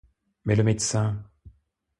Mais le médecin!